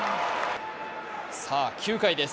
さあ、９回です。